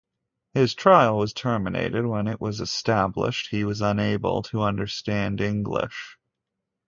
His trial was terminated when it was established he was unable to understand English.